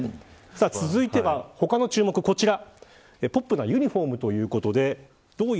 続いては他の注目、こちら。